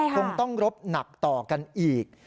คงต้องรบหนักต่อกันอีก